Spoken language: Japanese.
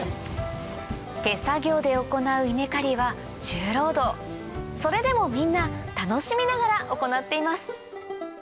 手作業で行う稲刈りは重労働それでもみんな楽しみながら行っています